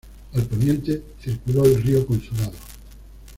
Al poniente circuló el Río Consulado.